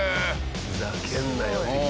「ふざけんなよ」的な。